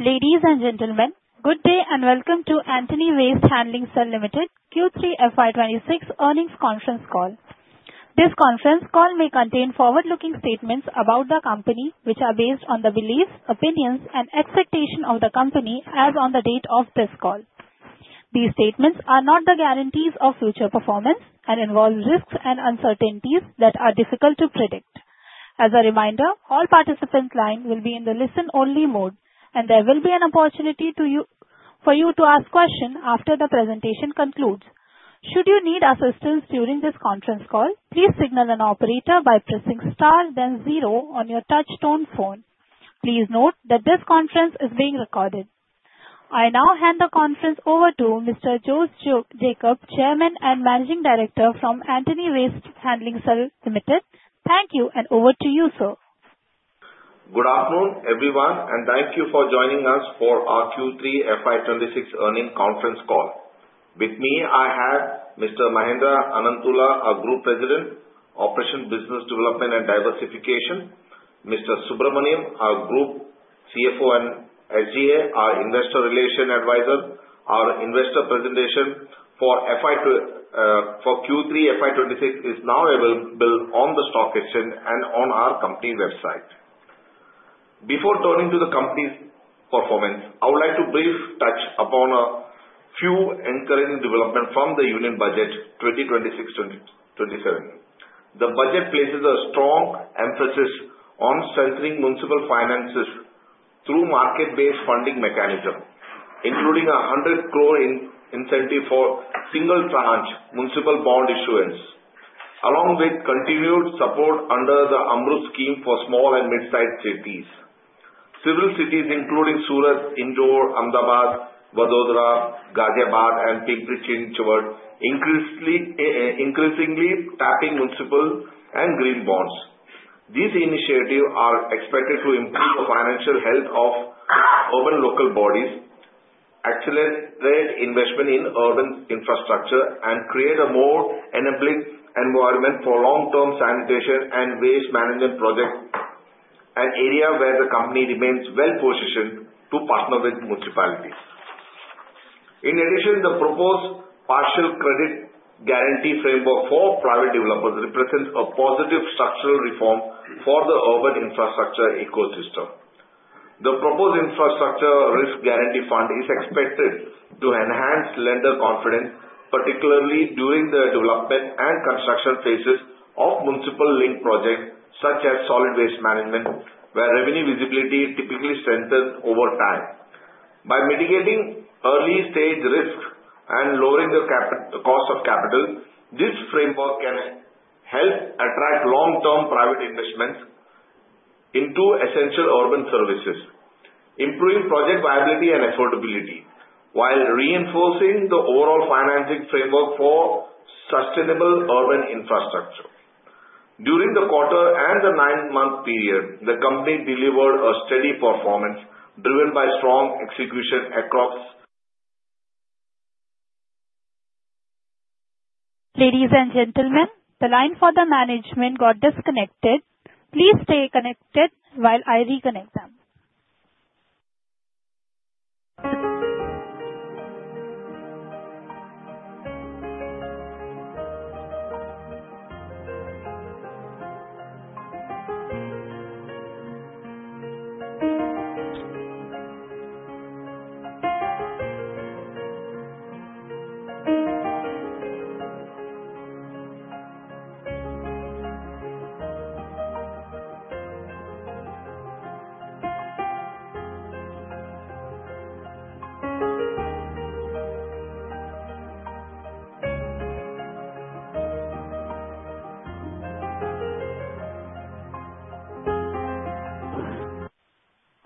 Ladies and gentlemen, good day and welcome to Antony Waste Handling Cell Limited Q3 FY 2026 Earnings Conference Call. This conference call may contain forward-looking statements about the company which are based on the beliefs, opinions, and expectations of the company as on the date of this call. These statements are not the guarantees of future performance and involve risks and uncertainties that are difficult to predict. As a reminder, all participants' line will be in the listen-only mode, and there will be an opportunity for you to ask questions after the presentation concludes. Should you need assistance during this conference call, please signal an operator by pressing star, then zero on your touch-tone phone. Please note that this conference is being recorded. I now hand the conference over to Mr. Jose Jacob Kallarakal, Chairman and Managing Director from Antony Waste Handling Cell Limited. Thank you, and over to you, sir. Good afternoon, everyone, and thank you for joining us for our Q3 FY 2026 Earnings Conference Call. With me, I have Mr. Mahendra Ananthula, our Group President, Operations, Business Development, and Diversification; Mr. N. G. Subramanian, our Group CFO; and SGA, our Investor Relations Advisor. Our investor presentation for Q3 FY 2026 is now available on the stock exchange and on our company website. Before turning to the company's performance, I would like to briefly touch upon a few encouraging developments from the Union Budget 2026-2027. The budget places a strong emphasis on strengthening municipal finances through market-based funding mechanisms, including an 100 crore incentive for single-tranche municipal bond issuance, along with continued support under the AMRUT scheme for small and mid-sized cities. Several cities including Surat, Indore, Ahmedabad, Vadodara, Ghaziabad, and Pimpri Chinchwad are increasingly tapping municipal and green bonds. These initiatives are expected to improve the financial health of urban local bodies, accelerate investment in urban infrastructure, and create a more enabling environment for long-term sanitation and waste management projects, an area where the company remains well-positioned to partner with municipalities. In addition, the proposed partial credit guarantee framework for private developers represents a positive structural reform for the urban infrastructure ecosystem. The proposed infrastructure risk guarantee fund is expected to enhance lender confidence, particularly during the development and construction phases of municipal-linked projects such as solid waste management, where revenue visibility typically strengthens over time. By mitigating early-stage risks and lowering the cost of capital, this framework can help attract long-term private investments into essential urban services, improving project viability and affordability, while reinforcing the overall financing framework for sustainable urban infrastructure. During the quarter and the nine-month period, the company delivered a steady performance driven by strong execution across. Ladies and gentlemen, the line for the management got disconnected. Please stay connected while I reconnect them.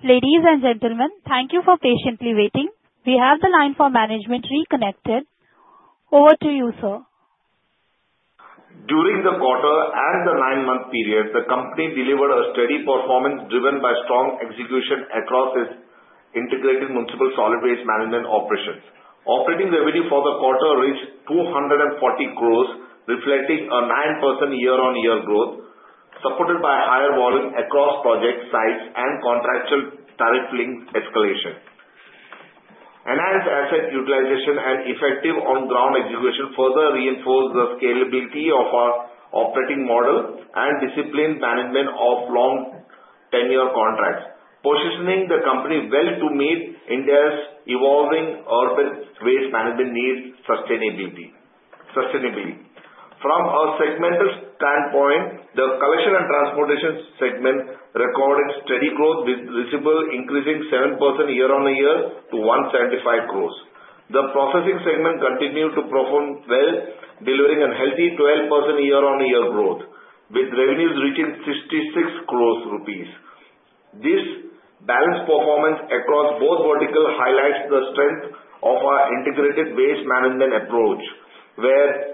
Ladies and gentlemen, thank you for patiently waiting. We have the line for management reconnected. Over to you, sir. During the quarter and the nine-month period, the company delivered a steady performance driven by strong execution across its integrated municipal solid waste management operations. Operating revenue for the quarter reached 240 crore, reflecting a 9% year-on-year growth, supported by higher volume across project sites and contractual tariff-linked escalation. Enhanced asset utilization and effective on-ground execution further reinforced the scalability of our operating model and disciplined management of long-tenure contracts, positioning the company well to meet India's evolving urban waste management needs and sustainability. From a segmental standpoint, the collection and transportation segment recorded steady growth, with receivables increasing 7% year-on-year to 175 crore. The processing segment continued to perform well, delivering a healthy 12% year-on-year growth, with revenues reaching 66 crore rupees. This balanced performance across both verticals highlights the strength of our integrated waste management approach, where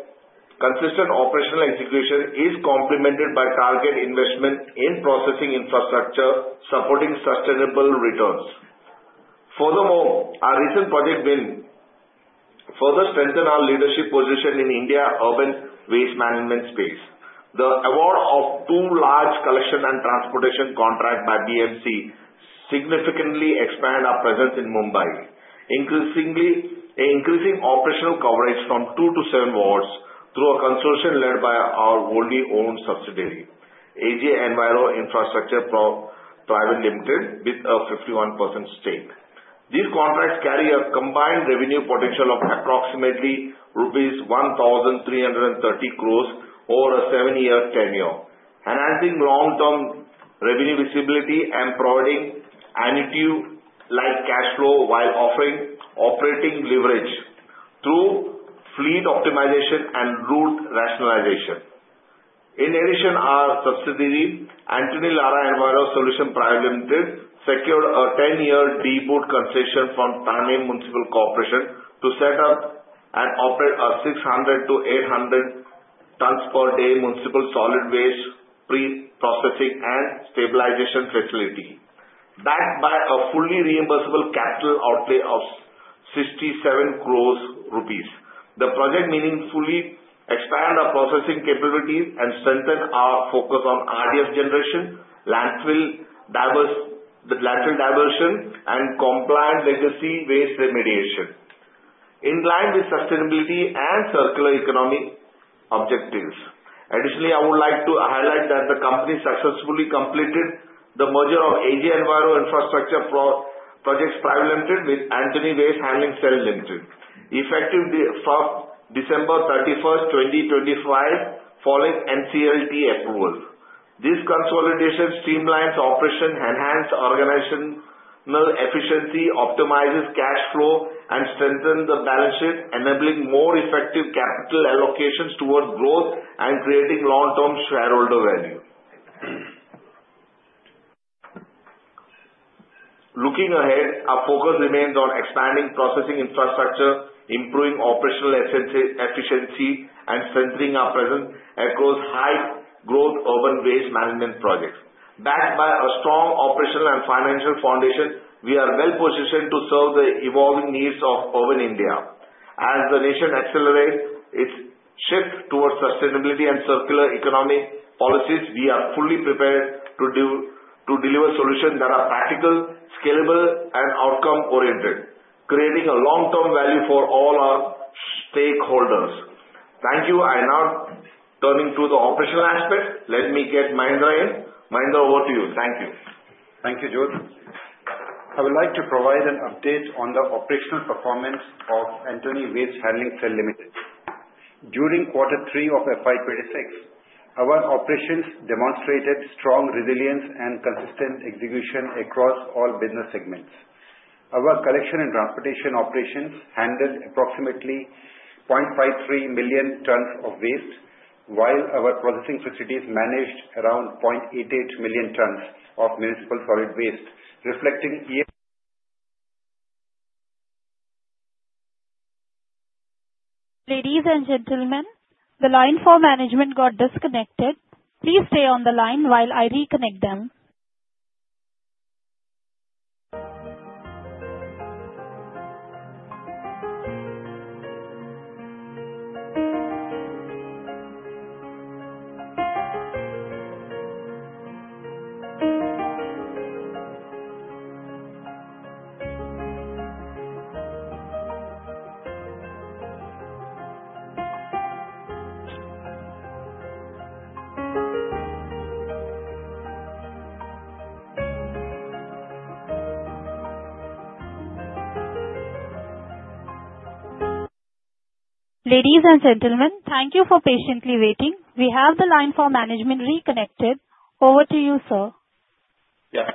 consistent operational execution is complemented by target investment in processing infrastructure, supporting sustainable returns. Furthermore, our recent project win further strengthened our leadership position in India's urban waste management space. The award of two large collection and transportation contracts by BMC significantly expanded our presence in Mumbai, increasing operational coverage from two to seven wards through a consortium led by our wholly owned subsidiary, AG Enviro Infra Projects Private Limited, with a 51% stake. These contracts carry a combined revenue potential of approximately rupees 1,330 crores over a seven-year tenure, enhancing long-term revenue visibility and providing annuity-like cash flow while offering operating leverage through fleet optimization and route rationalization. In addition, our subsidiary, Antony Lara Enviro Solutions Private Limited, secured a 10-year DBOT concession from Thane Municipal Corporation to set up and operate a 600-800 tons per day municipal solid waste pre-processing and stabilization facility, backed by a fully reimbursable capital outlay of 67 crore rupees. The project meaningfully expanded our processing capabilities and strengthened our focus on RDF generation, landfill diversion, and compliant legacy waste remediation, in line with sustainability and circular economy objectives. Additionally, I would like to highlight that the company successfully completed the merger of AG Enviro Infra Projects Private Limited with Antony Waste Handling Cell Limited, effective from December 31st, 2025, following NCLT approval. This consolidation streamlines operations, enhances organizational efficiency, optimizes cash flow, and strengthens the balance sheet, enabling more effective capital allocations towards growth and creating long-term shareholder value. Looking ahead, our focus remains on expanding processing infrastructure, improving operational efficiency, and strengthening our presence across high-growth urban waste management projects. Backed by a strong operational and financial foundation, we are well-positioned to serve the evolving needs of urban India. As the nation accelerates its shift towards sustainability and circular economy policies, we are fully prepared to deliver solutions that are practical, scalable, and outcome-oriented, creating a long-term value for all our stakeholders. Thank you. I'm now turning to the operational aspect. Let me get Mahendra in. Mahendra, over to you. Thank you. Thank you, Jose. I would like to provide an update on the operational performance of Antony Waste Handling Cell Limited. During quarter three of FY 2026, our operations demonstrated strong resilience and consistent execution across all business segments. Our collection and transportation operations handled approximately 0.53 million tons of waste, while our processing facilities managed around 0.88 million tons of municipal solid waste, reflecting year. Ladies and gentlemen, the line for management got disconnected. Please stay on the line while I reconnect them. Ladies and gentlemen, thank you for patiently waiting. We have the line for management reconnected. Over to you, sir. Yes.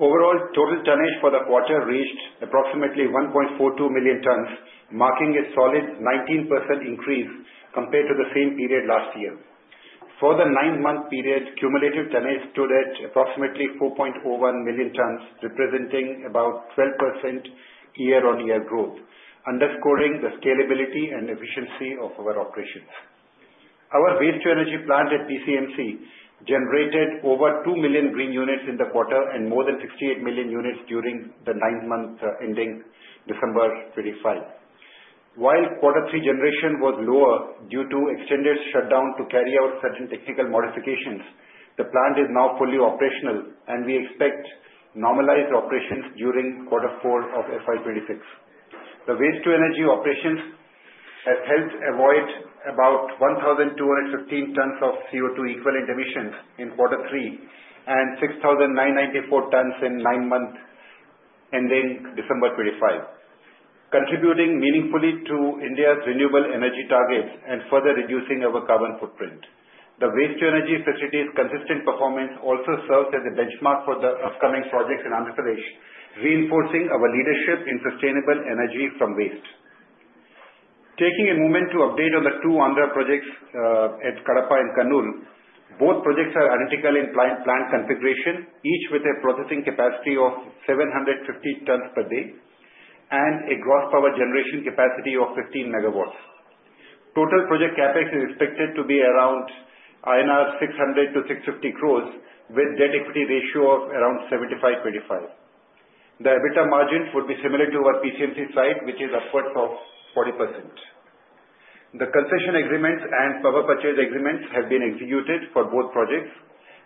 Overall, total tonnage for the quarter reached approximately 1.42 million tons, marking a solid 19% increase compared to the same period last year. For the nine-month period, cumulative tonnage stood at approximately 4.01 million tons, representing about 12% year-over-year growth, underscoring the scalability and efficiency of our operations. Our waste-to-energy plant at PCMC generated over 2 million green units in the quarter and more than 68 million units during the nine-month ending December 25. While quarter three generation was lower due to extended shutdown to carry out certain technical modifications, the plant is now fully operational, and we expect normalized operations during quarter four of FY 2026. The waste-to-energy operations have helped avoid about 1,215 tons of CO2 equivalent emissions in quarter three and 6,994 tons in nine-month ending December 25, contributing meaningfully to India's renewable energy targets and further reducing our carbon footprint. The waste-to-energy facility's consistent performance also serves as a benchmark for the upcoming projects in Andhra Pradesh, reinforcing our leadership in sustainable energy from waste. Taking a moment to update on the two Andhra projects at Kadapa and Kurnool, both projects are identical in plant configuration, each with a processing capacity of 750 tons per day and a gross power generation capacity of 15 megawatts. Total project capex is expected to be around INR 600-650 crores, with debt equity ratio of around 75/25. The EBITDA margin would be similar to our PCMC site, which is upwards of 40%. The concession agreements and power purchase agreements have been executed for both projects,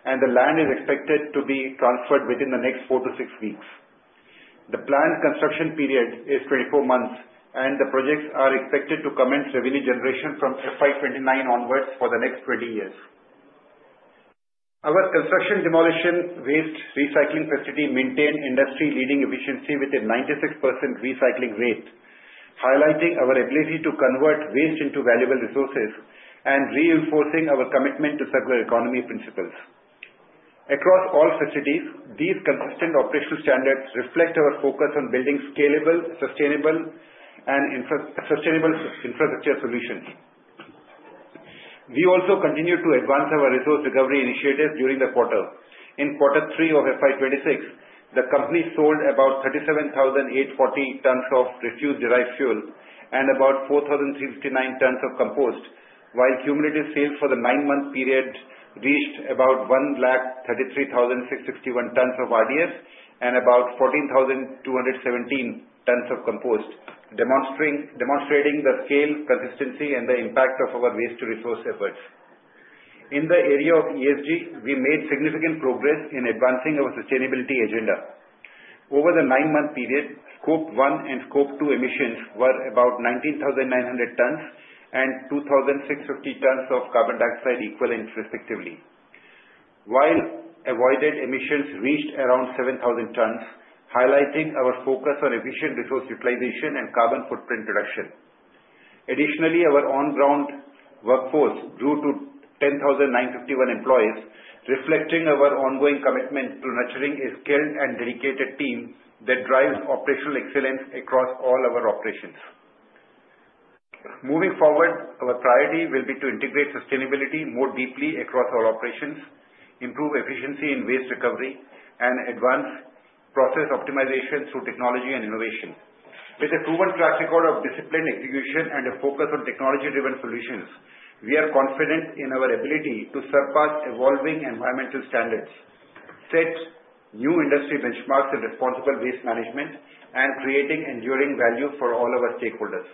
and the land is expected to be transferred within the next four to six weeks. The planned construction period is 24 months, and the projects are expected to commence revenue generation from FY29 onwards for the next 20 years. Our construction demolition waste recycling facility maintained industry-leading efficiency with a 96% recycling rate, highlighting our ability to convert waste into valuable resources and reinforcing our commitment to circular economy principles. Across all facilities, these consistent operational standards reflect our focus on building scalable, sustainable, and infrastructure solutions. We also continue to advance our resource recovery initiatives during the quarter. In quarter three of FY 2026, the company sold about 37,840 tons of refuse-derived fuel and about 4,359 tons of compost, while cumulative sales for the nine-month period reached about 133,661 tons of RDF and about 14,217 tons of compost, demonstrating the scale, consistency, and the impact of our waste-to-resource efforts. In the area of ESG, we made significant progress in advancing our sustainability agenda. Over the nine-month period, Scope 1 and Scope 2 emissions were about 19,900 tons and 2,650 tons of carbon dioxide equivalent, respectively, while avoided emissions reached around 7,000 tons, highlighting our focus on efficient resource utilization and carbon footprint reduction. Additionally, our on-ground workforce grew to 10,951 employees, reflecting our ongoing commitment to nurturing a skilled and dedicated team that drives operational excellence across all our operations. Moving forward, our priority will be to integrate sustainability more deeply across all operations, improve efficiency in waste recovery, and advance process optimization through technology and innovation. With a proven track record of disciplined execution and a focus on technology-driven solutions, we are confident in our ability to surpass evolving environmental standards, set new industry benchmarks in responsible waste management, and create enduring value for all our stakeholders.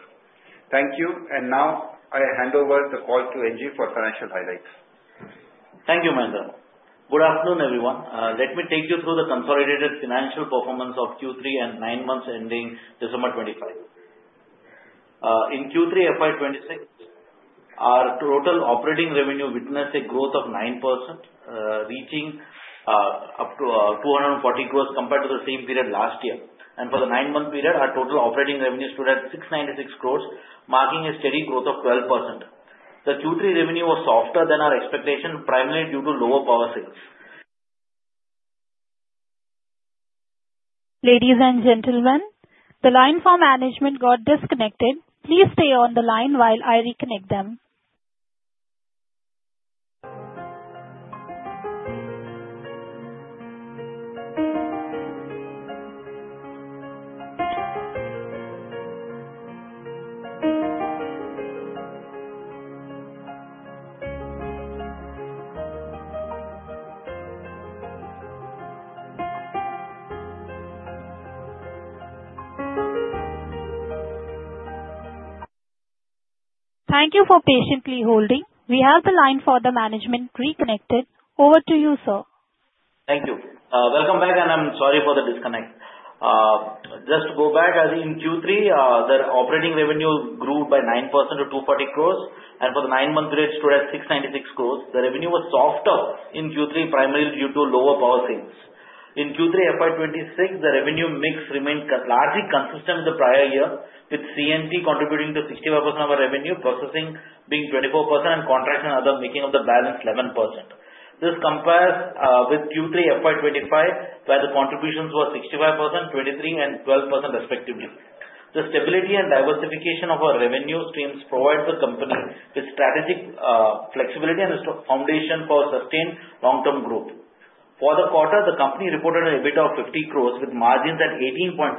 Thank you. And now, I hand over the call to NG for financial highlights. Thank you, Mahendra. Good afternoon, everyone. Let me take you through the consolidated financial performance of Q3 and nine months ending December 25. In Q3 FY 2026, our total operating revenue witnessed a growth of 9%, reaching up to 240 crores compared to the same period last year. For the nine-month period, our total operating revenue stood at 696 crores, marking a steady growth of 12%. The Q3 revenue was softer than our expectation, primarily due to lower power sales. Ladies and gentlemen, the line for management got disconnected. Please stay on the line while I reconnect them. Thank you for patiently holding. We have the line for the management reconnected. Over to you, sir. Thank you. Welcome back, and I'm sorry for the disconnect. Just to go back, in Q3, the operating revenue grew by 9% to 240 crores, and for the nine-month period, it stood at 696 crores. The revenue was softer in Q3, primarily due to lower power sales. In Q3 FY 2026, the revenue mix remained largely consistent with the prior year, with C&T contributing to 65% of our revenue, processing being 24%, and contracts and other making up the balance 11%. This compares with Q3 FY 2025, where the contributions were 65%, 23%, and 12%, respectively. The stability and diversification of our revenue streams provide the company with strategic flexibility and a foundation for sustained long-term growth. For the quarter, the company reported an EBITDA of 50 crores, with margins at 18.4%.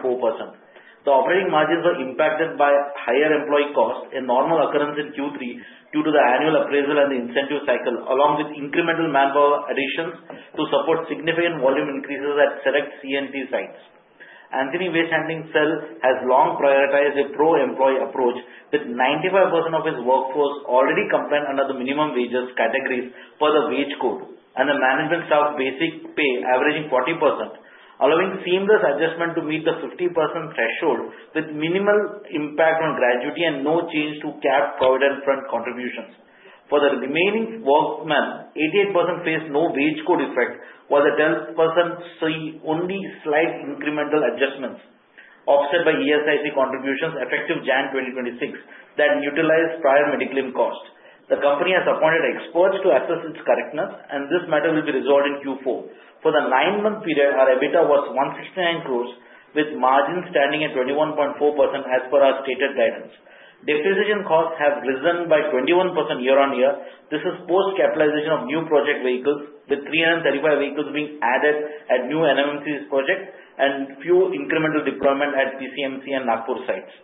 The operating margins were impacted by higher employee costs, a normal occurrence in Q3 due to the annual appraisal and the incentive cycle, along with incremental manpower additions to support significant volume increases at select C&T sites. Antony Waste Handling Cell has long prioritized a pro-employee approach, with 95% of his workforce already compliant under the minimum wages categories per the Wage Code and the management staff basic pay, averaging 40%, allowing seamless adjustment to meet the 50% threshold with minimal impact on gratuity and no change to cap-provided in front contributions. For the remaining workmen, 88% faced no Wage Code effect, while the 12% saw only slight incremental adjustments offset by ESIC contributions effective January 2026 that neutralized prior medical claim costs. The company has appointed experts to assess its correctness, and this matter will be resolved in Q4. For the nine-month period, our EBITDA was 169 crores, with margins standing at 21.4% as per our stated guidance. Depreciation costs have risen by 21% year-on-year. This is post-capitalization of new project vehicles, with 335 vehicles being added at new NMMC projects and few incremental deployments at PCMC and Nagpur sites.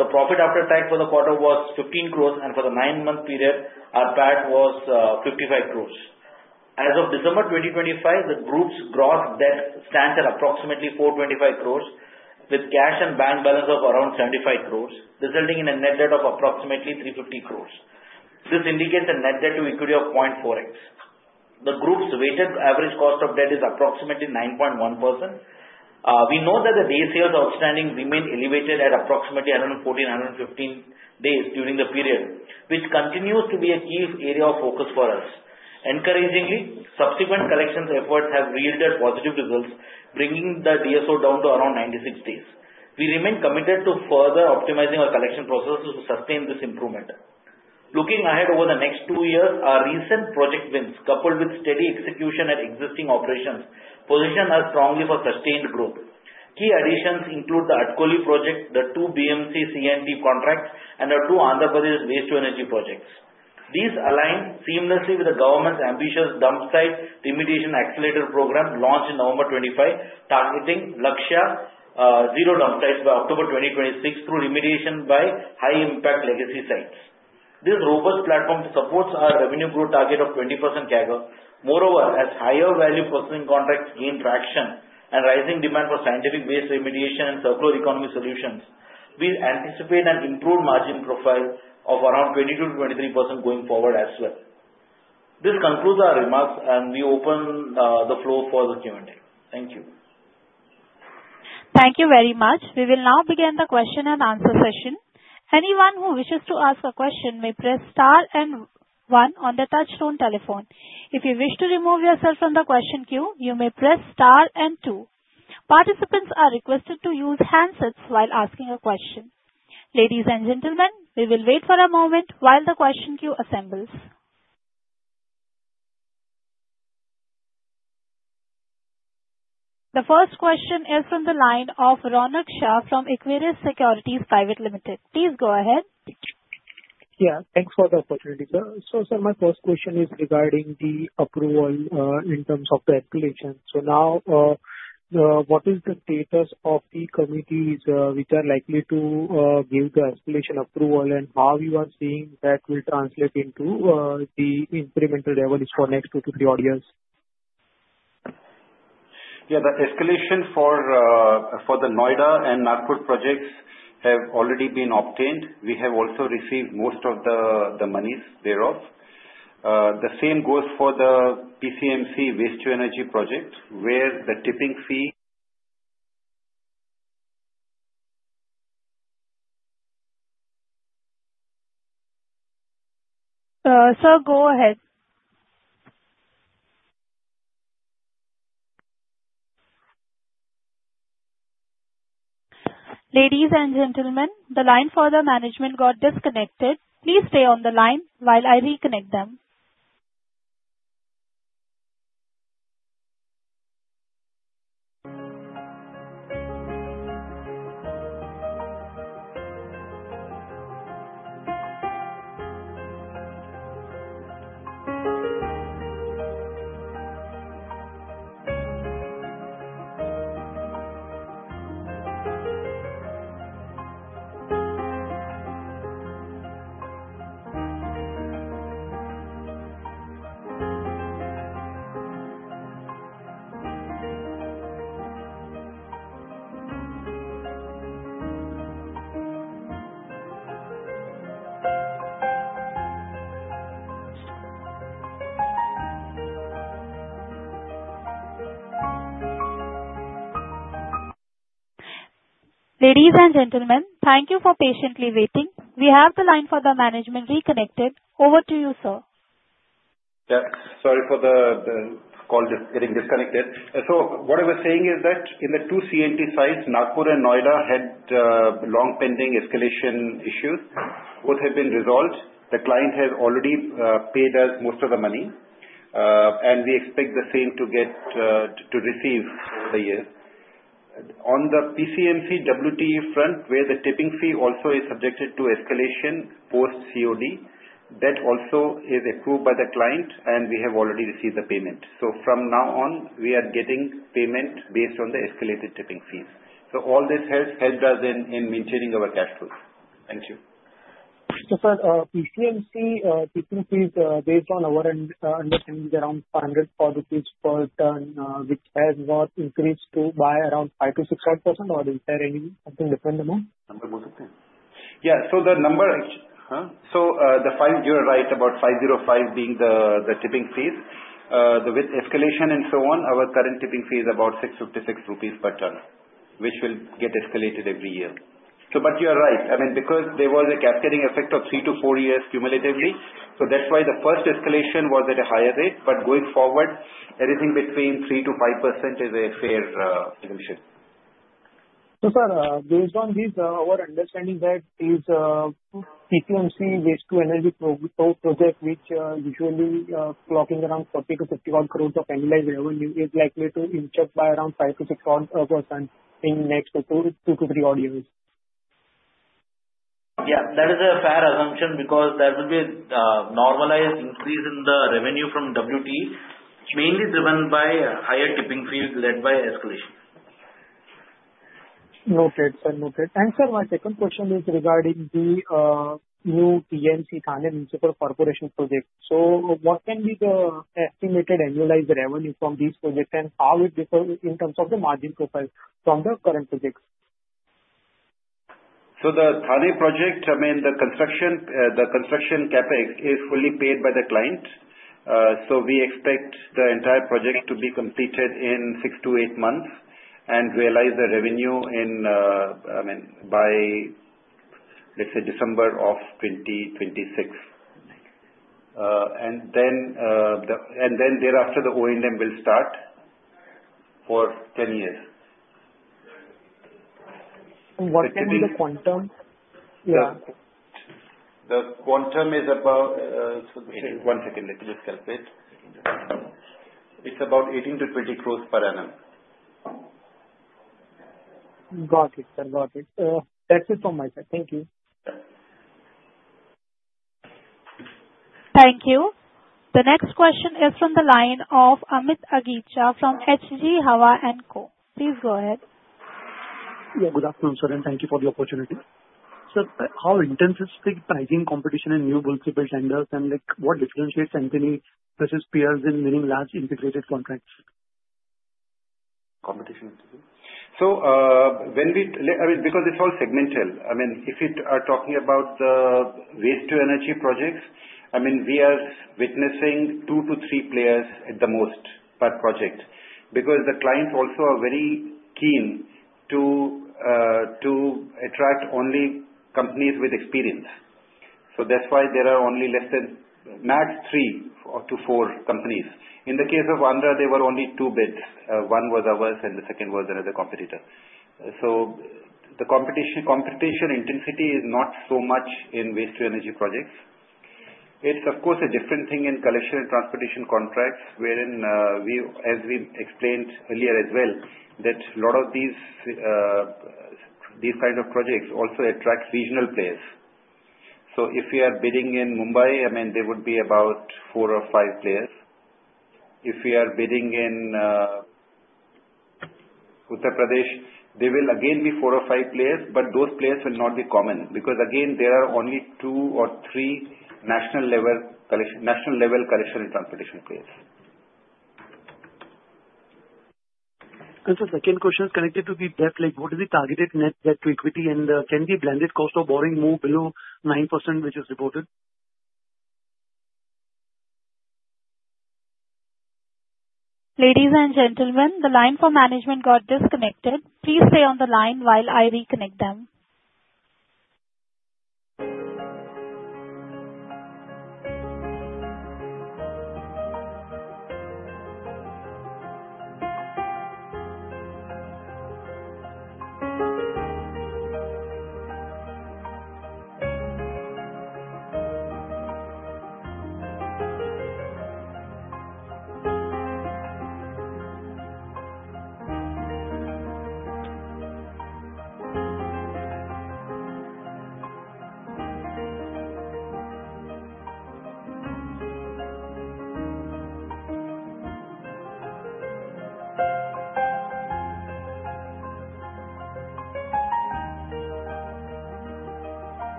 The profit after tax for the quarter was 15 crores, and for the nine-month period, our PAT was 55 crores. As of December 2025, the group's gross debt stands at approximately 425 crores, with cash and bank balance of around 75 crores, resulting in a net debt of approximately 350 crores. This indicates a net debt to equity of 0.4x. The group's weighted average cost of debt is approximately 9.1%. We know that the Days Sales Outstanding remained elevated at approximately 114-115 days during the period, which continues to be a key area of focus for us. Encouragingly, subsequent collections efforts have yielded positive results, bringing the DSO down to around 96 days. We remain committed to further optimizing our collection processes to sustain this improvement. Looking ahead over the next two years, our recent project wins, coupled with steady execution at existing operations, position us strongly for sustained growth. Key additions include the Atkoli project, the two BMC CNT contracts, and the two Andhra Pradesh waste-to-energy projects. These align seamlessly with the government's ambitious dumpsite remediation accelerator program launched in November 2025, targeting Lakshya zero dumpsites by October 2026 through remediation by high-impact legacy sites. This robust platform supports our revenue growth target of 20% CAGR. Moreover, as higher-value processing contracts gain traction and rising demand for scientific-based remediation and circular economy solutions, we anticipate an improved margin profile of around 22%-23% going forward as well. This concludes our remarks, and we open the floor for the Q&A. Thank you. Thank you very much. We will now begin the question and answer session. Anyone who wishes to ask a question may press star and one on the touch-tone telephone. If you wish to remove yourself from the question queue, you may press star and two. Participants are requested to use handsets while asking a question. Ladies and gentlemen, we will wait for a moment while the question queue assembles. The first question is from the line of Ronak Shah from Aquarius Securities Pvt. Ltd. Please go ahead. Yeah. Thanks for the opportunity, sir. So, sir, my first question is regarding the approval in terms of the escalation. So now, what is the status of the committees which are likely to give the escalation approval, and how you are seeing that will translate into the incremental levels for next 2 to 3 quarters? Yeah. The escalation for the Noida and Nagpur projects have already been obtained. We have also received most of the monies thereof. The same goes for the PCMC waste-to-energy project, where the tipping fee. Sir, go ahead. Ladies and gentlemen, the line for the management got disconnected. Please stay on the line while I reconnect them. Ladies and gentlemen, thank you for patiently waiting. We have the line for the management reconnected. Over to you, sir. Yeah. Sorry for the call getting disconnected. So what I was saying is that in the two CNT sites, Nagpur and Noida, had long-pending escalation issues. Both have been resolved. The client has already paid us most of the money, and we expect the same to receive over the years. On the PCMC WtE front, where the tipping fee also is subjected to escalation post-COD, that also is approved by the client, and we have already received the payment. So from now on, we are getting payment based on the escalated tipping fees. So all this has helped us in maintaining our cash flows. Thank you. Mr. Sir, PCMC tipping fees, based on our understanding, is around 504 rupees per ton, which has not increased by around 5%-600%, or is there something different amount? Number, bol sakte hain? Yeah. So the number, huh? So you're right, about 505 being the tipping fees. With escalation and so on, our current tipping fee is about 656 rupees per ton, which will get escalated every year. But you're right. I mean, because there was a cascading effect of three to four years cumulatively, so that's why the first escalation was at a higher rate. But going forward, everything between 3%-5% is a fair reduction. Sir, based on this, our understanding that is PCMC waste-to-energy project, which usually clocking around 40-50 crore of annualized revenue, is likely to inch up by around 5%-600% in the next two to three years. Yeah. That is a fair assumption because there will be a normalized increase in the revenue from WT, mainly driven by higher tipping fees led by escalation. Noted, sir. Noted. And sir, my second question is regarding the new TMC, Thane Municipal Corporation project. So what can be the estimated annualized revenue from these projects, and how it differs in terms of the margin profile from the current projects? The Thane project, I mean, the construction CapEx is fully paid by the client. We expect the entire project to be completed in 6-8 months and realize the revenue in, I mean, by, let's say, December of 2026. Then thereafter, the OEM will start for 10 years. What can be the quantum? Yeah. The quantum is about. 18. One second. Let me just calculate. It's about 18-20 crores per annum. Got it, sir. Got it. That's it from my side. Thank you. Thank you. The next question is from the line of Amit Agicha from H.G. Hawa & Co. Please go ahead. Yeah. Good afternoon, sir, and thank you for the opportunity. Sir, how intense is the pricing competition in new bulk MSW tenders, and what differentiates Antony versus peers in winning large integrated contracts? Competition? So when we, I mean, because it's all segmental. I mean, if we are talking about the waste-to-energy projects, I mean, we are witnessing two to three players at the most per project because the clients also are very keen to attract only companies with experience. So that's why there are only less than max three to four companies. In the case of Andhra, there were only two bids. One was ours, and the second was another competitor. So the competition intensity is not so much in waste-to-energy projects. It's, of course, a different thing in collection and transportation contracts, wherein, as we explained earlier as well, that a lot of these kinds of projects also attract regional players. So if we are bidding in Mumbai, I mean, there would be about four or five players. If we are bidding in Uttar Pradesh, there will, again, be four or five players, but those players will not be common because, again, there are only two or three national-level collection and transportation players. Sir, the second question is connected to the debt. What is the targeted net debt to equity, and can the blended cost of borrowing move below 9%, which is reported? Ladies and gentlemen, the line for management got disconnected. Please stay on the line while I reconnect them.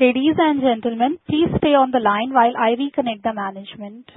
Ladies and gentlemen, please stay on the line while I reconnect the management.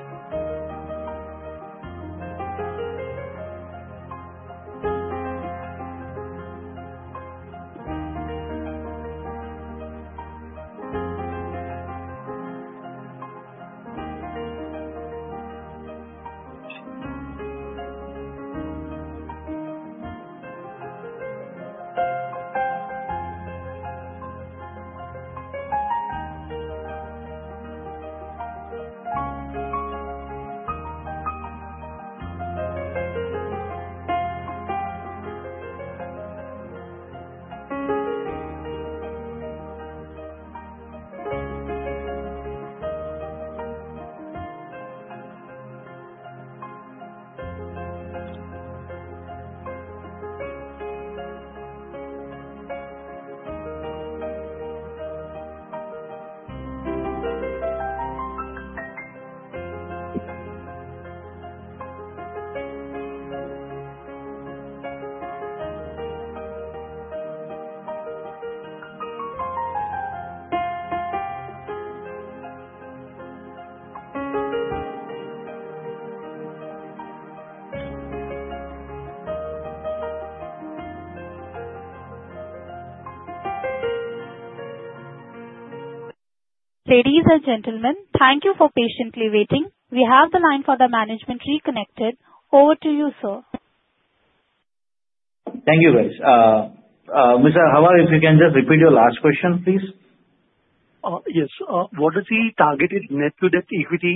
Ladies and gentlemen, thank you for patiently waiting. We have the line for the management reconnected. Over to you, sir. Thank you, guys. Mr. Hawar, if you can just repeat your last question, please. Yes. What is the targeted net to debt equity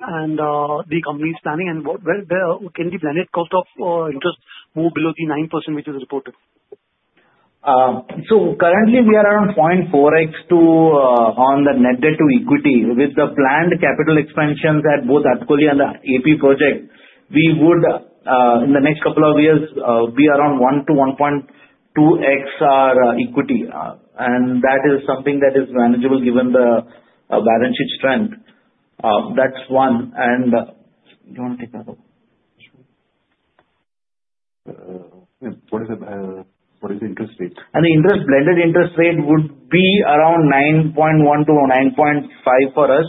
and the company's planning, and can the blended cost of interest move below the 9%, which is reported? So currently, we are around 0.4x on the net debt to equity. With the planned capital expansions at both Atkoli and the AP project, we would, in the next couple of years, be around 1-1.2x our equity. And that is something that is manageable given the balance sheet strength. That's one. And. Do you want to take that up? What is the interest rate? The blended interest rate would be around 9.1-9.5 for us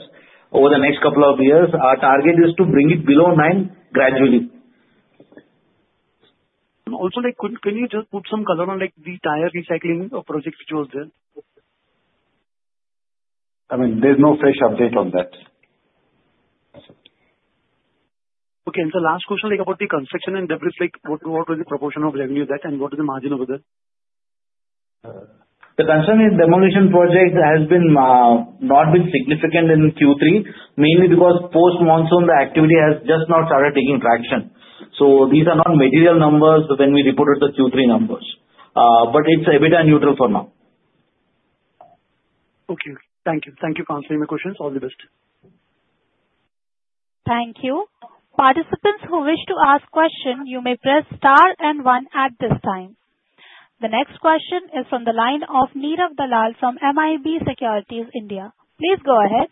over the next couple of years. Our target is to bring it below nine gradually. Also, can you just put some color on the tire recycling project which was there? I mean, there's no fresh update on that. Okay. Last question about the construction and debris, what was the proportion of revenue there, and what is the margin over there? The concern is demolition project has not been significant in Q3, mainly because post-monsoon, the activity has just not started taking traction. So these are not material numbers when we reported the Q3 numbers. But it's EBITDA neutral for now. Okay. Thank you. Thank you for answering my questions. All the best. Thank you. Participants who wish to ask questions, you may press star and 1 at this time. The next question is from the line of Neerav Dalal from MIB Securities India. Please go ahead.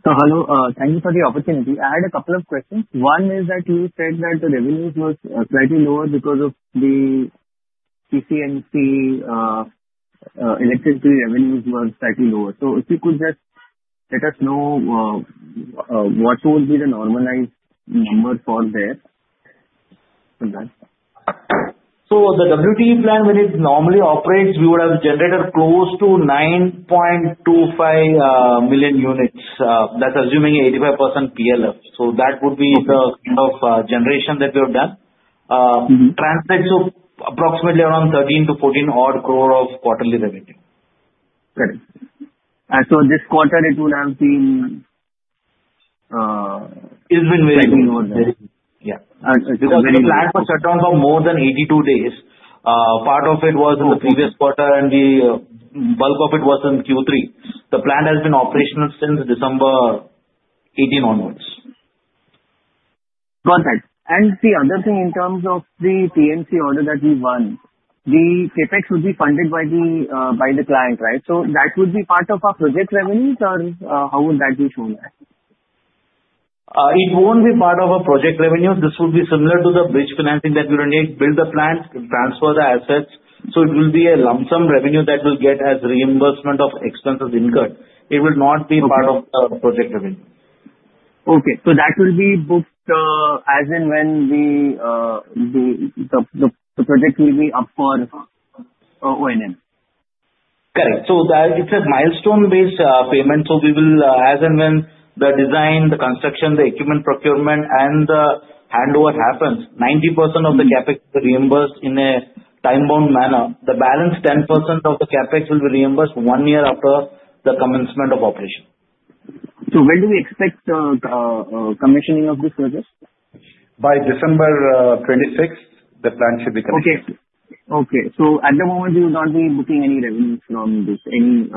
Hello. Thank you for the opportunity. I had a couple of questions. One is that you said that the revenues were slightly lower because of the PCMC electricity revenues were slightly lower. So if you could just let us know what would be the normalized number for that? The WT plan, when it normally operates, we would have generated close to 9.25 million units. That's assuming 85% PLF. That would be the kind of generation that we have done. Translates to approximately around 13-14 crore of quarterly revenue. Got it. And so this quarter, it will have been. It's been very low. Slightly lower than. Yeah. It's been very low. The plant was shut down for more than 82 days, part of it was in the previous quarter, and the bulk of it was in Q3. The plant has been operational since December 18 onwards. Got that. And the other thing, in terms of the TMC order that we won, the CapEx would be funded by the client, right? So that would be part of our project revenues, or how would that be shown there? It won't be part of our project revenues. This would be similar to the bridge financing that we don't need: build the plant, transfer the assets. So it will be a lump sum revenue that we'll get as reimbursement of expenses incurred. It will not be part of the project revenue. Okay. So that will be booked as in when the project will be up for O&M? Correct. So it's a milestone-based payment. So as in when the design, the construction, the equipment procurement, and the handover happens, 90% of the CapEx will be reimbursed in a time-bound manner. The balance 10% of the CapEx will be reimbursed one year after the commencement of operation. When do we expect commissioning of this project? By December 26th, the plan should be commissioned. Okay. Okay. So at the moment, we will not be booking any revenues from this, any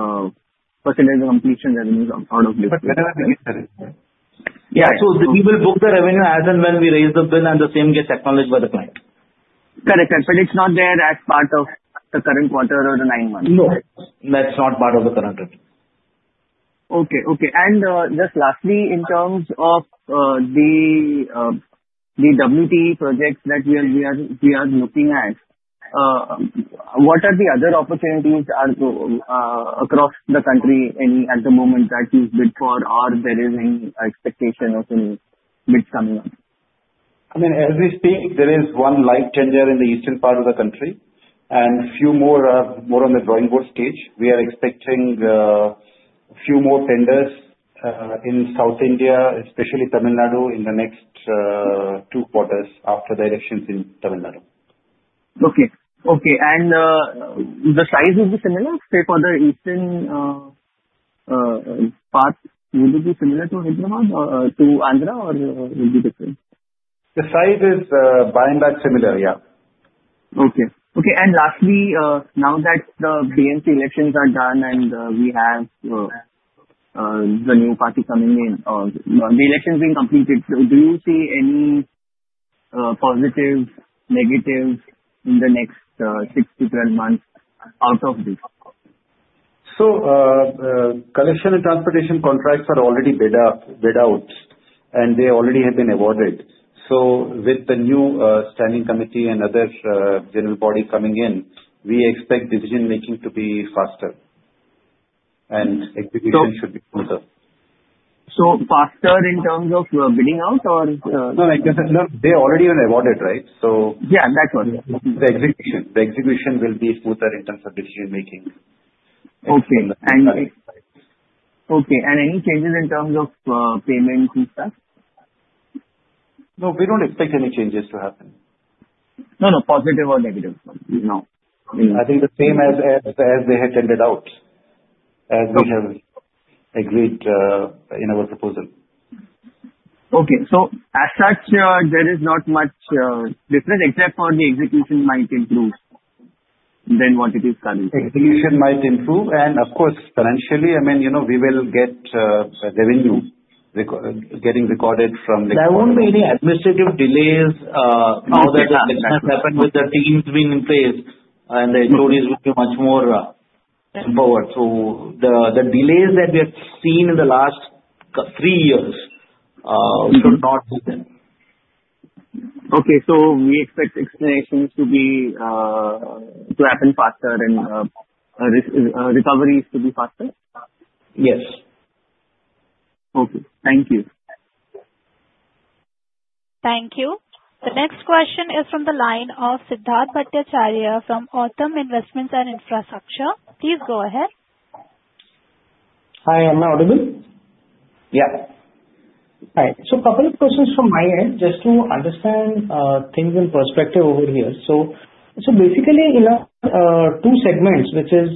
percentage of completion revenues out of this project. But whenever we get there, it's fine. Yeah. So we will book the revenue as in when we raise the bid, and the same gets acknowledged by the client. Correct. Correct. But it's not there as part of the current quarter or the nine months. No. That's not part of the current revenue. Okay. Okay. And just lastly, in terms of the WtE projects that we are looking at, what are the other opportunities across the country, any at the moment, that you've bid for, or there is any expectation of any bids coming up? I mean, as we speak, there is one likely tender in the eastern part of the country, and a few more are more on the drawing board stage. We are expecting a few more tenders in South India, especially Tamil Nadu, in the next two quarters after the elections in Tamil Nadu. Okay. Okay. The size will be similar? Say for the eastern part, will it be similar to Andhra, or will it be different? The size is by and large similar. Yeah. Okay. Okay. And lastly, now that the BNP elections are done and we have the new party coming in, the elections being completed, do you see any positives, negatives in the next 6-12 months out of this? Collection and transportation contracts are already bid out, and they already have been awarded. With the new standing committee and other general body coming in, we expect decision-making to be faster, and execution should be smoother. So faster in terms of bidding out, or? No. No. They already have been awarded, right? So. Yeah. That's what I mean. The execution. The execution will be smoother in terms of decision-making. Okay. Any changes in terms of payments and stuff? No. We don't expect any changes to happen. No. No. Positive or negative. No. I think the same as they had tendered out, as we have agreed in our proposal. Okay. So as such, there is not much difference except for the execution might improve than what it is currently. Execution might improve. Of course, financially, I mean, we will get revenue getting recorded from. There won't be any administrative delays now that the elections happen with the teams being in place, and the inquiries will be much more empowered. The delays that we have seen in the last three years should not be there. Okay. So we expect explanations to happen faster and recoveries to be faster? Yes. Okay. Thank you. Thank you. The next question is from the line of Siddharth Bhattacharya from Authum Investment & Infrastructure Limited. Please go ahead. Hi. Am I audible? Yeah. Hi. So a couple of questions from my end just to understand things in perspective over here. So basically, in two segments, which is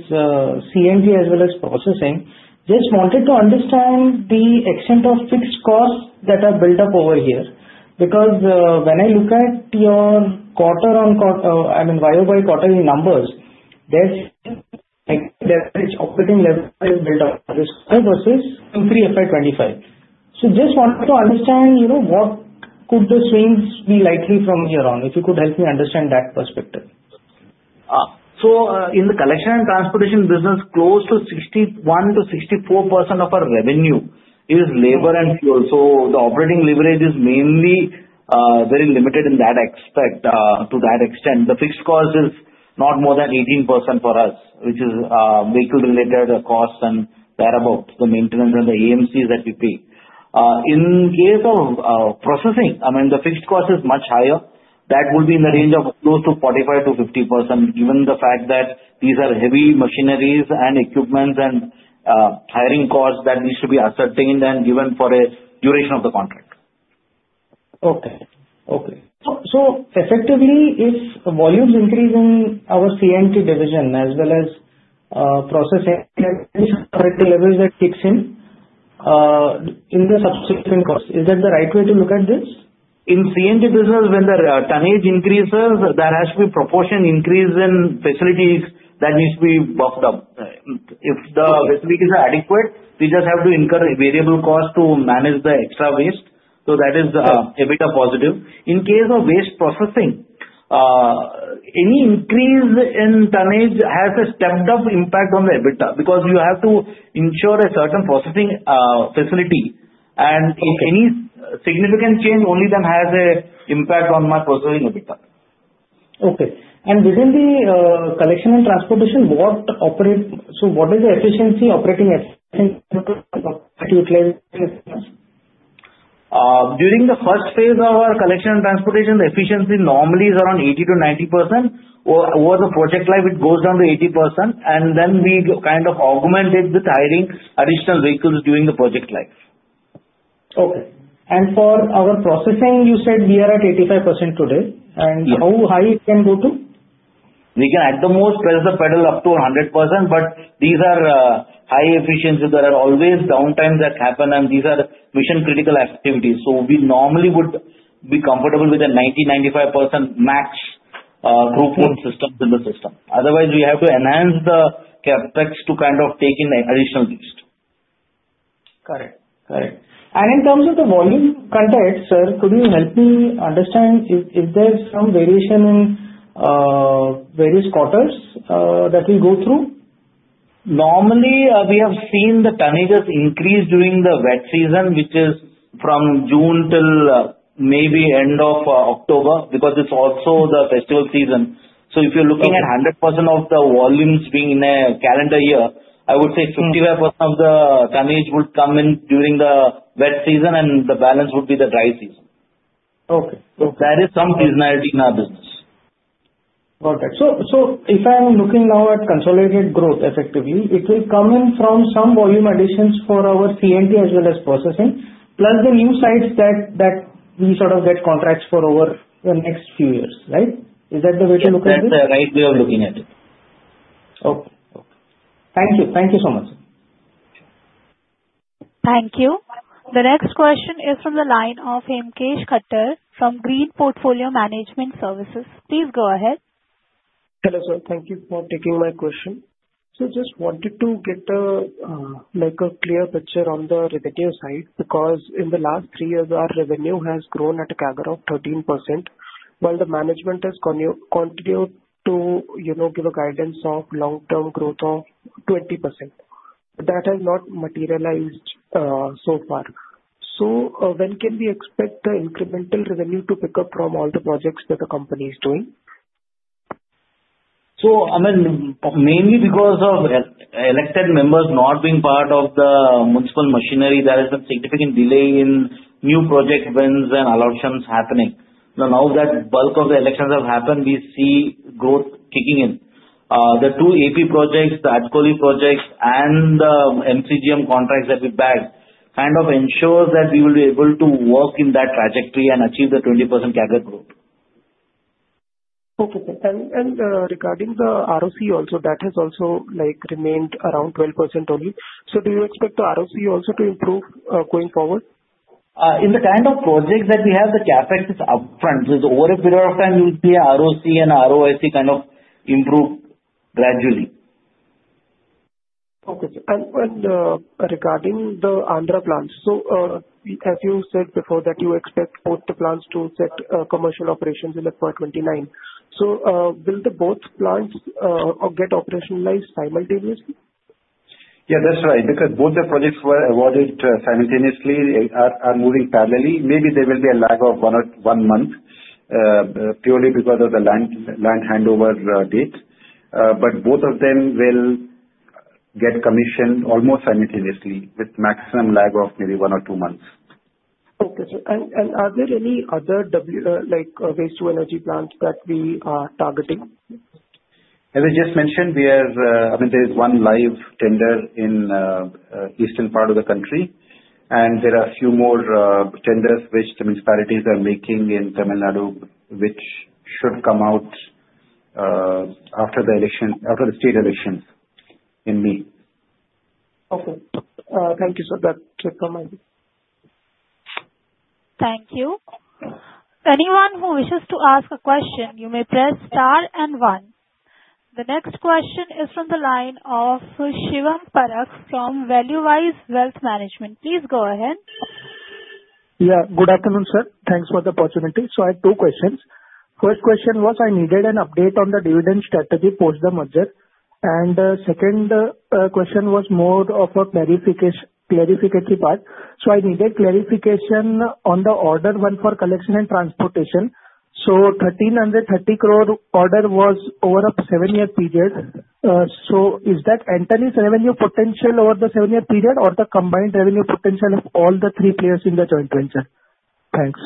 C&T as well as processing, just wanted to understand the extent of fixed costs that are built up over here because when I look at your quarter-on-quarter, I mean, year-by-quarterly numbers, the average operating level is built up. This is versus Q3 FY 2025. So just wanted to understand what could the swings be likely from here on, if you could help me understand that perspective. So in the collection and transportation business, close to 61%-64% of our revenue is labor and fuel. So the operating leverage is mainly very limited to that extent. The fixed cost is not more than 18% for us, which is vehicle-related costs and thereabouts, the maintenance and the AMCs that we pay. In case of processing, I mean, the fixed cost is much higher. That would be in the range of close to 45%-50% given the fact that these are heavy machineries and equipments and hiring costs that need to be ascertained and given for a duration of the contract. Okay. Okay. So effectively, if volumes increase in our C&T division as well as processing, there is a leverage that kicks in in the subsequent costs. Is that the right way to look at this? In C&T business, when the tonnage increases, there has to be a proportional increase in facilities that needs to be beefed up. If the facilities are adequate, we just have to incur variable costs to manage the extra waste. That is a bit of positive. In case of waste processing, any increase in tonnage has a stepped-up impact on the EBITDA because you have to ensure a certain processing facility. If any significant change, only then has an impact on my processing EBITDA. Okay. And within the collection and transportation, so what is the efficiency, operating efficiency compared to utilizing resources? During the first phase of our collection and transportation, the efficiency normally is around 80%-90%. Over the project life, it goes down to 80%. And then we kind of augment it with hiring additional vehicles during the project life. Okay. For our processing, you said we are at 85% today. How high it can go to? We can, at the most, press the pedal up to 100%. But these are high efficiencies. There are always downtimes that happen, and these are mission-critical activities. So we normally would be comfortable with a 90%-95% max throughput systems in the system. Otherwise, we have to enhance the CapEx to kind of take in additional waste. Correct. Correct. And in terms of the volume content, sir, could you help me understand, is there some variation in various quarters that we go through? Normally, we have seen the tonnages increase during the wet season, which is from June till maybe end of October because it's also the festival season. So if you're looking at 100% of the volumes being in a calendar year, I would say 55% of the tonnage would come in during the wet season, and the balance would be the dry season. There is some seasonality in our business. Got that. So if I'm looking now at consolidated growth effectively, it will come in from some volume additions for our C&T as well as processing, plus the new sites that we sort of get contracts for over the next few years, right? Is that the way to look at this? That's the right way of looking at it. Okay. Okay. Thank you. Thank you so much. Thank you. The next question is from the line of Hemkesh Khattar from Green Portfolio. Please go ahead. Hello, sir. Thank you for taking my question. I just wanted to get a clear picture on the repetitive side because in the last three years, our revenue has grown at a CAGR of 13% while the management has continued to give a guidance of long-term growth of 20%. But that has not materialized so far. When can we expect the incremental revenue to pick up from all the projects that the company is doing? So, I mean, mainly because of elected members not being part of the municipal machinery, there has been significant delay in new project wins and allocations happening. Now that bulk of the elections have happened, we see growth kicking in. The two AP projects, the Atkoli projects, and the MCGM contracts that we bagged kind of ensure that we will be able to work in that trajectory and achieve the 20% CAGR growth. Okay. And regarding the ROC also, that has also remained around 12% only. So do you expect the ROC also to improve going forward? In the kind of projects that we have, the CapEx is upfront. Over a period of time, you'll see ROC and ROIC kind of improve gradually. Okay. And regarding the Andhra plants, so as you said before that you expect both the plants to set commercial operations in FY 2029. So will both plants get operationalized simultaneously? Yeah. That's right because both the projects were awarded simultaneously, are moving parallelly. Maybe there will be a lag of one month purely because of the land handover date. But both of them will get commissioned almost simultaneously with maximum lag of maybe one or two months. Okay. Are there any other waste-to-energy plants that we are targeting? As I just mentioned, I mean, there is one live tender in the eastern part of the country. There are a few more tenders which the municipalities are making in Tamil Nadu which should come out after the state elections in May. Okay. Thank you, sir. That's it from my end. Thank you. Anyone who wishes to ask a question, you may press star and one. The next question is from the line of Shivam Parakh from Valuewise Wealth Management. Please go ahead. Yeah. Good afternoon, sir. Thanks for the opportunity. So I have two questions. First question was I needed an update on the dividend strategy post the merger. And second question was more of a clarificatory part. So I needed clarification on the order one for collection and transportation. So 1,330 crore order was over a seven-year period. So is that Antony's revenue potential over the seven-year period or the combined revenue potential of all the three players in the joint venture? Thanks.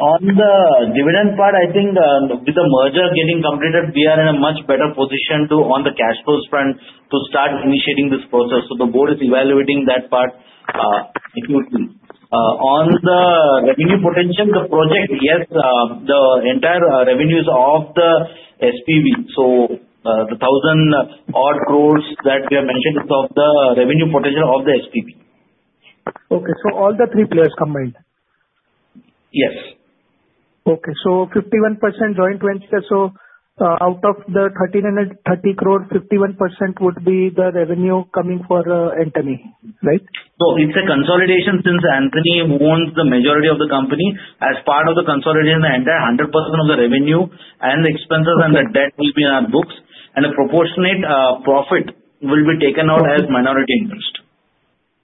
On the dividend part, I think with the merger getting completed, we are in a much better position on the cash flows front to start initiating this process. So the board is evaluating that part accurately. On the revenue potential, the project, yes, the entire revenues of the SPV, so the 1,000-odd crore that we have mentioned, it's of the revenue potential of the SPV. Okay. So all the three players combined? Yes. Okay. So 51% joint venture. So out of the 1,330 crore, 51% would be the revenue coming for Antony, right? It's a consolidation since Antony owns the majority of the company. As part of the consolidation, the entire 100% of the revenue and the expenses and the debt will be in our books. A proportionate profit will be taken out as minority interest.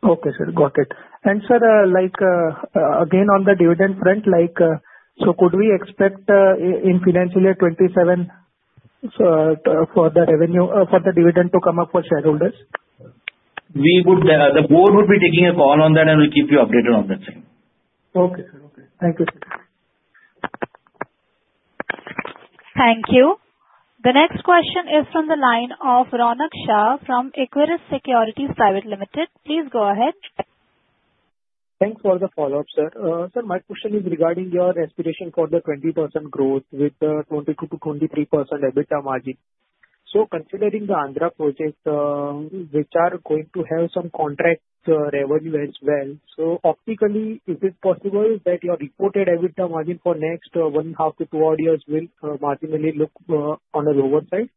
Okay, sir. Got it. Sir, again, on the dividend front, so could we expect in financial year 2027 for the revenue for the dividend to come up for shareholders? We would. The board would be taking a call on that, and we'll keep you updated on that thing. Okay, sir. Okay. Thank you, sir. Thank you. The next question is from the line of Ronak Shah from Aquarius Securities Pvt. Ltd. Please go ahead. Thanks for the follow-up, sir. Sir, my question is regarding your aspiration for the 20% growth with the 22%-23% EBITDA margin. So considering the Andhra projects, which are going to have some contract revenue as well, so optically, is it possible that your reported EBITDA margin for next one-half to two-odd years will marginally look on an oversight?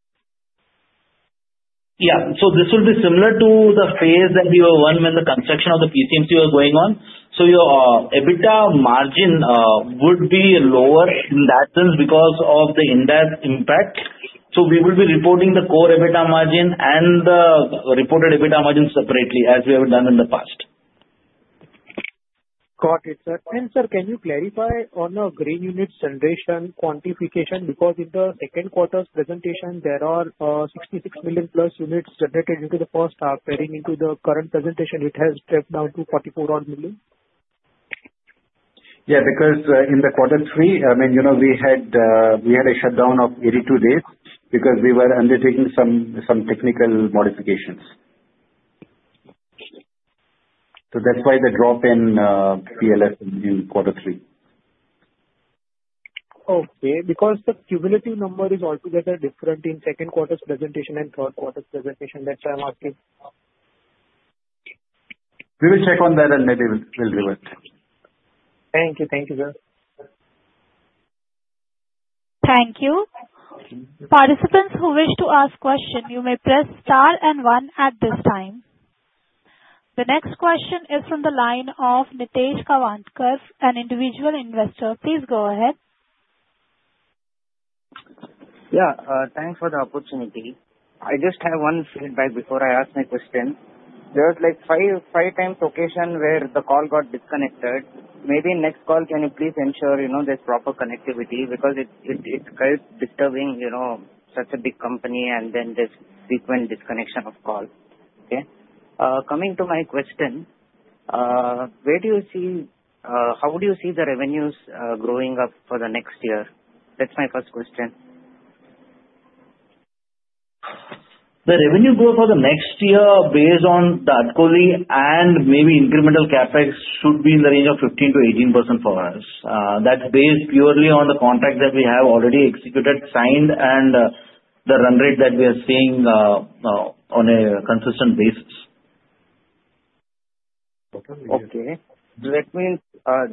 Yeah. So this will be similar to the phase that we were on when the construction of the PCMC was going on. So your EBITDA margin would be lower in that sense because of the index impact. So we will be reporting the core EBITDA margin and the reported EBITDA margin separately as we have done in the past. Got it, sir. And sir, can you clarify on the green units generation quantification because in the second quarter's presentation, there are 66 million-plus units generated into the first half? Pairing into the current presentation, it has stepped down to 44-odd million? Yeah. Because in the quarter three, I mean, we had a shutdown of 82 days because we were undertaking some technical modifications. So that's why the drop in PLF in quarter three. Okay. Because the cumulative number is altogether different in second quarter's presentation and third quarter's presentation. That's why I'm asking. We will check on that, and maybe we'll revisit. Thank you. Thank you, sir. Thank you. Participants who wish to ask questions, you may press star and one at this time. The next question is from the line of Nitesh Kavantkar, an individual investor. Please go ahead. Yeah. Thanks for the opportunity. I just have one feedback before I ask my question. There was five times occasion where the call got disconnected. Maybe next call, can you please ensure there's proper connectivity because it's quite disturbing, such a big company, and then there's frequent disconnection of call, okay? Coming to my question, where do you see how do you see the revenues growing up for the next year? That's my first question. The revenue growth for the next year based on the Atkoli and maybe incremental CapEx should be in the range of 15%-18% for us. That's based purely on the contracts that we have already executed, signed, and the run rate that we are seeing on a consistent basis. Okay. So that means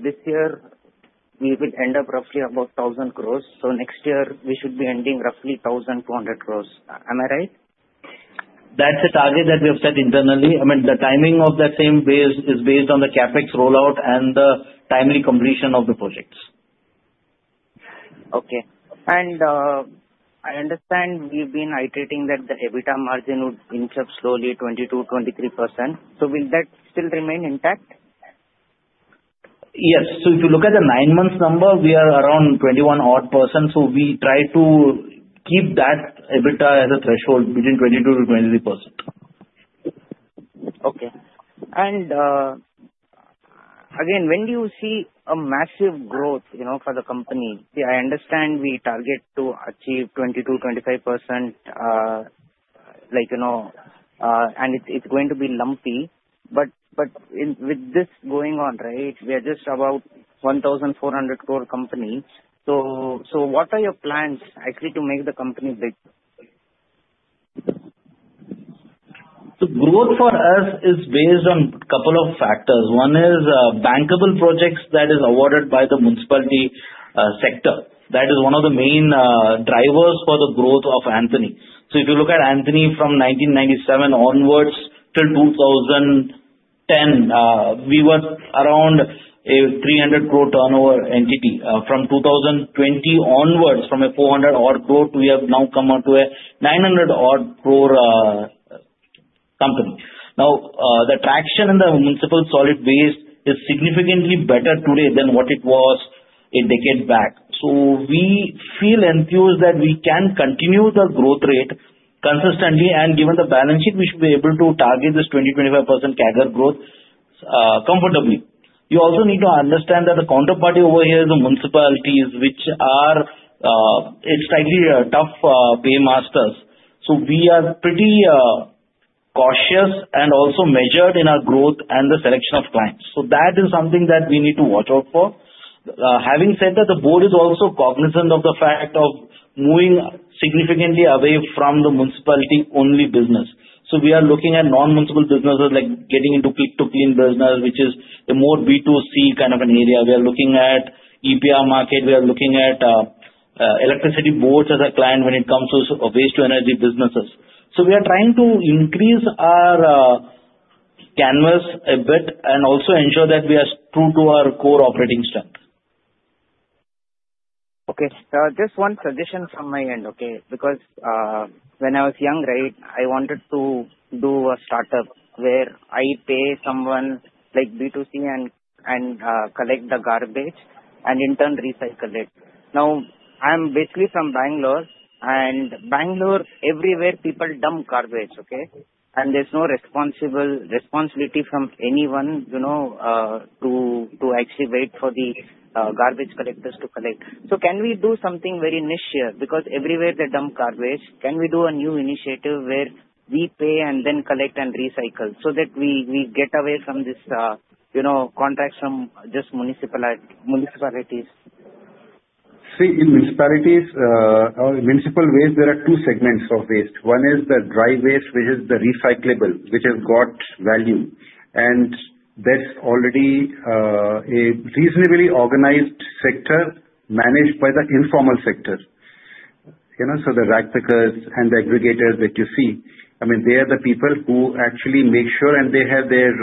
this year, we will end up roughly about 1,000 crores. So next year, we should be ending roughly 1,200 crores. Am I right? That's a target that we have set internally. I mean, the timing of that same phase is based on the CapEx rollout and the timely completion of the projects. Okay. And I understand we've been iterating that the EBITDA margin would increase slowly, 22%-23%. So will that still remain intact? Yes. So if you look at the 9-month number, we are around 21-odd%. So we try to keep that EBITDA as a threshold between 22%-23%. Okay. And again, when do you see massive growth for the company? I understand we target to achieve 22%-25%, and it's going to be lumpy. But with this going on, right, we are just about an 1,400 crore company. So what are your plans actually to make the company big? Growth for us is based on a couple of factors. One is bankable projects that are awarded by the municipality sector. That is one of the main drivers for the growth of Antony. So if you look at Antony from 1997 onwards till 2010, we were around an 300 crore turnover entity. From 2020 onwards, from an 400-odd crore, we have now come up to an 900-odd crore company. Now, the traction in the municipal solid waste is significantly better today than what it was a decade back. So we feel enthused that we can continue the growth rate consistently. And given the balance sheet, we should be able to target this 20%-25% CAGR growth comfortably. You also need to understand that the counterparty over here is the municipalities, which are slightly tough paymasters. So we are pretty cautious and also measured in our growth and the selection of clients. So that is something that we need to watch out for. Having said that, the board is also cognizant of the fact of moving significantly away from the municipality-only business. So we are looking at non-municipal businesses getting into Click-to-Clean business, which is a more B2C kind of an area. We are looking at EPR market. We are looking at electricity boards as a client when it comes to waste-to-energy businesses. So we are trying to increase our canvas a bit and also ensure that we are true to our core operating strength. Okay. Just one suggestion from my end, okay? Because when I was young, right, I wanted to do a startup where I pay someone B2C and collect the garbage and in turn, recycle it. Now, I'm basically from Bangalore. And Bangalore, everywhere, people dump garbage, okay? And there's no responsibility from anyone to actually wait for the garbage collectors to collect. So can we do something very niche here? Because everywhere they dump garbage, can we do a new initiative where we pay and then collect and recycle so that we get away from these contracts from just municipalities? See, in municipalities or municipal waste, there are two segments of waste. One is the dry waste, which is the recyclable, which has got value. And that's already a reasonably organized sector managed by the informal sector. So the rag pickers and the aggregators that you see, I mean, they are the people who actually make sure and they have their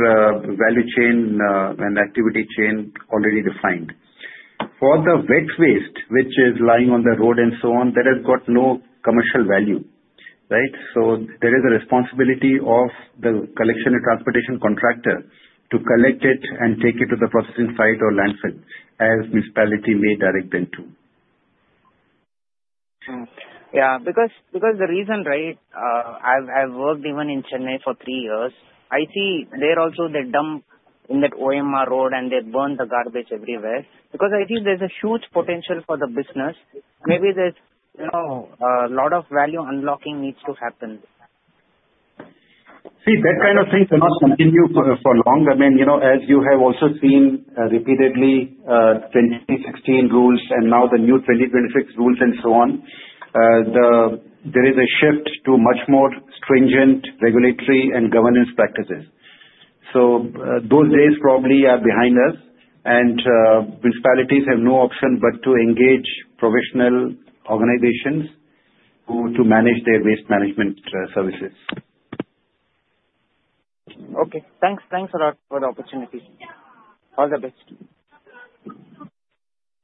value chain and activity chain already defined. For the wet waste, which is lying on the road and so on, that has got no commercial value, right? So there is a responsibility of the collection and transportation contractor to collect it and take it to the processing site or landfill as municipality may direct them to. Yeah. Because the reason, right, I've worked even in Chennai for three years. I see there also they dump in that OMR road, and they burn the garbage everywhere. Because I think there's a huge potential for the business. Maybe there's a lot of value unlocking needs to happen. See, that kind of thing cannot continue for long. I mean, as you have also seen repeatedly, 2016 rules and now the new 2026 rules and so on, there is a shift to much more stringent regulatory and governance practices. So those days probably are behind us. Municipalities have no option but to engage professional organizations to manage their waste management services. Okay. Thanks. Thanks a lot for the opportunity. All the best.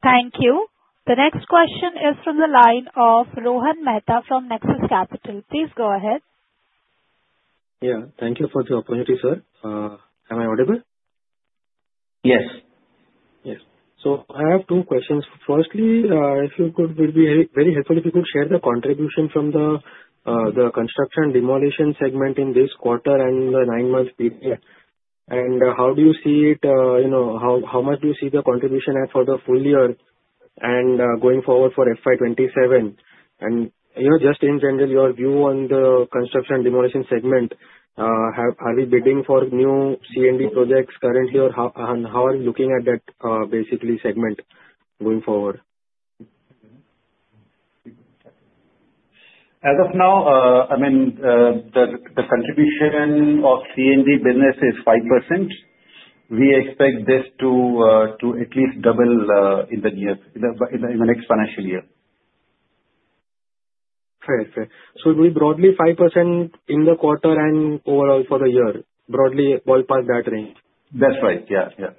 Thank you. The next question is from the line of Rohan Mehta from Nexus Capital. Please go ahead. Yeah. Thank you for the opportunity, sir. Am I audible? Yes. Yes. So I have two questions. Firstly, if you could, it would be very helpful if you could share the contribution from the construction demolition segment in this quarter and the nine-month period. And how do you see it? How much do you see the contribution at for the full year and going forward for FY27? And just in general, your view on the construction demolition segment, are we bidding for new C&D projects currently, or how are you looking at that, basically, segment going forward? As of now, I mean, the contribution of C&D business is 5%. We expect this to at least double in the next financial year. Fair. Fair. So it will be broadly 5% in the quarter and overall for the year, broadly ballpark that range? That's right. Yeah. Yeah.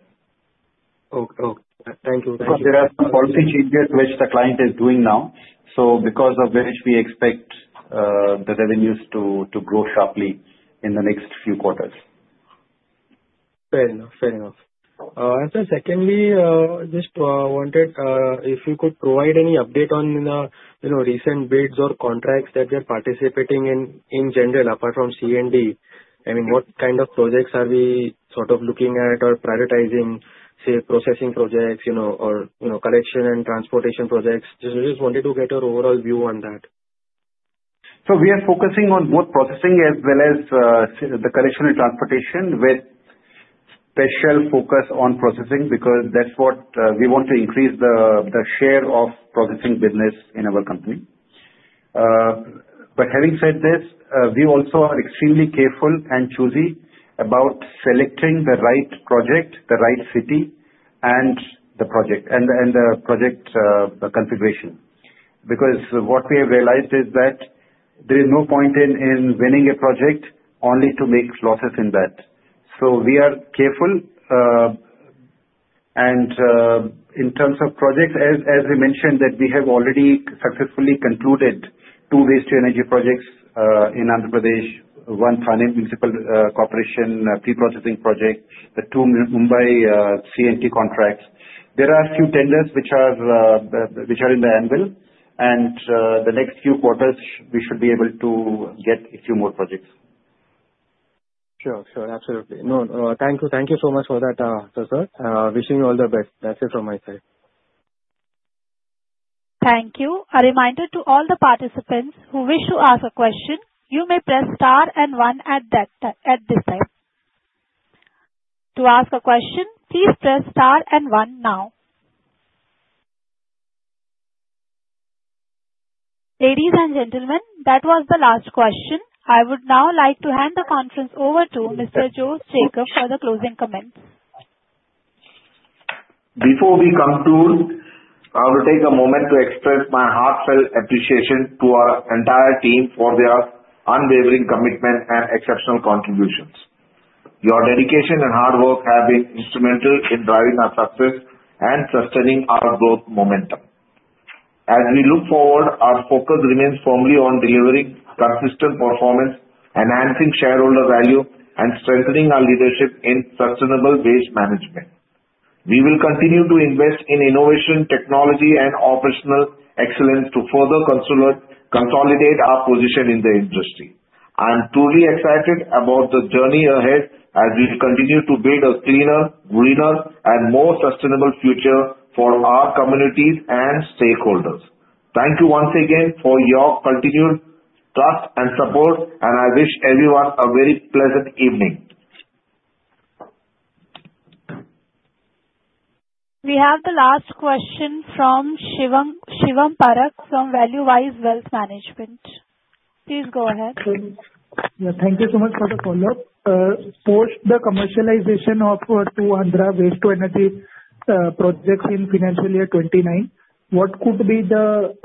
Okay. Okay. Thank you. Thank you. Because there are some policy changes which the client is doing now, so because of which we expect the revenues to grow sharply in the next few quarters. Fair enough. Fair enough. Sir, secondly, I just wanted if you could provide any update on the recent bids or contracts that we are participating in general, apart from C&T, I mean, what kind of projects are we sort of looking at or prioritizing, say, processing projects or collection and transportation projects? I just wanted to get your overall view on that. So we are focusing on both processing as well as the collection and transportation with special focus on processing because that's what we want to increase the share of processing business in our company. But having said this, we also are extremely careful and choosy about selecting the right project, the right city, and the project configuration because what we have realized is that there is no point in winning a project only to make losses in that. So we are careful. And in terms of projects, as we mentioned, that we have already successfully concluded two waste-to-energy projects in Andhra Pradesh, one Pune Municipal Corporation pre-processing project, the two Mumbai C&T contracts. There are a few tenders which are in the anvil. And the next few quarters, we should be able to get a few more projects. Sure. Sure. Absolutely. No, thank you. Thank you so much for that, sir. Wishing you all the best. That's it from my side. Thank you. A reminder to all the participants who wish to ask a question, you may press star and one at this time. To ask a question, please press star and one now. Ladies and gentlemen, that was the last question. I would now like to hand the conference over to Mr. Jose Jacob for the closing comments. Before we conclude, I would take a moment to express my heartfelt appreciation to our entire team for their unwavering commitment and exceptional contributions. Your dedication and hard work have been instrumental in driving our success and sustaining our growth momentum. As we look forward, our focus remains firmly on delivering consistent performance, enhancing shareholder value, and strengthening our leadership in sustainable waste management. We will continue to invest in innovation, technology, and operational excellence to further consolidate our position in the industry. I'm truly excited about the journey ahead as we continue to build a cleaner, greener, and more sustainable future for our communities and stakeholders. Thank you once again for your continued trust and support. And I wish everyone a very pleasant evening. We have the last question from Shivam Parakh from Valuewise Wealth Management. Please go ahead. Yeah. Thank you so much for the follow-up. Post the commercialization of two Andhra Waste-to-Energy projects in financial year 2029, what could be the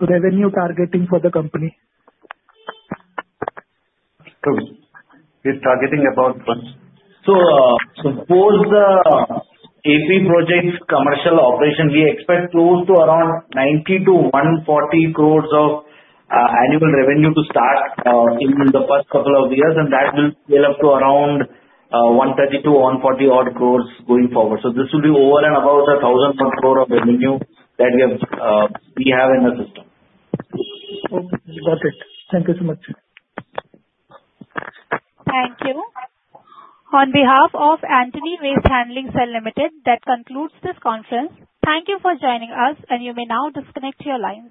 revenue targeting for the company? We're targeting about. So. Post the AP project commercial operation, we expect close to around 90-140 crores of annual revenue to start in the first couple of years. That will scale up to around 130-140-odd crores going forward. This will be over and above the 1,000-odd crore of revenue that we have in the system. Got it. Thank you so much. Thank you. On behalf of Antony Waste Handling Cell Limited, that concludes this conference. Thank you for joining us. You may now disconnect your lines.